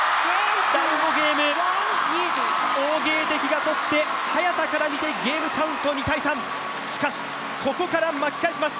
第５ゲーム、王ゲイ迪が取って早田から見てゲームカウント２−３しかしここから巻き返します。